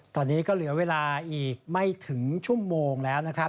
ตอนนี้ก็เหลือเวลาอีกไม่ถึงชั่วโมงแล้วนะครับ